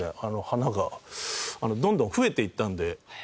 花がどんどん増えていったので。